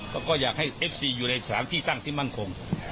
เขาก็อยากให้เอฟซีอยู่ใน๓ที่ตั้งที่มั่นคง